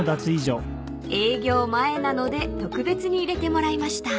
［営業前なので特別に入れてもらいました］